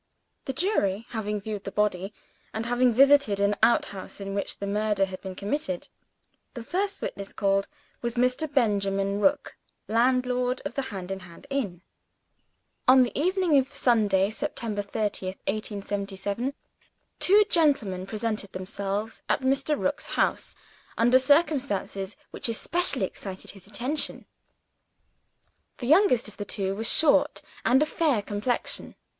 The jury having viewed the body, and having visited an outhouse in which the murder had been committed, the first witness called was Mr. Benjamin Rook, landlord of the Hand in Hand inn. On the evening of Sunday, September 30th, 1877, two gentlemen presented themselves at Mr. Rook's house, under circumstances which especially excited his attention. The youngest of the two was short, and of fair complexion.